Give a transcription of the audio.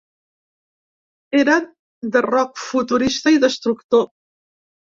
Era de rock futurista i destructor.